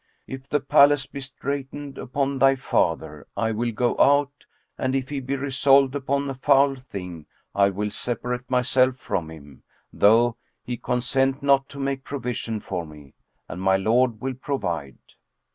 If the palace be straitened upon thy father, I will go out; and if he be resolved upon a foul thing, I will separate myself from him, though he consent not to make provision for me; and my Lord will provide."